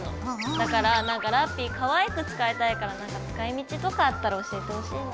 だからラッピィかわいく使いたいからなんか使い道とかあったら教えてほしいな。